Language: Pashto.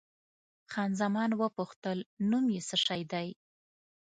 خان زمان وپوښتل، نوم یې څه شی دی؟